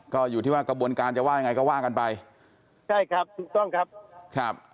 ก็อยู่ที่ว่ากระบวนการจะว่ายังไงก็ว่ากันไปใช่ครับถูกต้องครับครับ